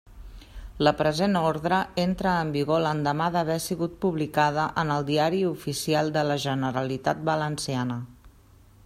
La present ordre entra en vigor l'endemà d'haver sigut publicada en el Diari Oficial de la Generalitat Valenciana.